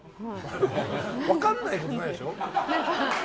分かんないことないでしょ。